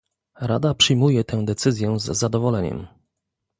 Rada przyjmuje tę decyzję z zadowoleniem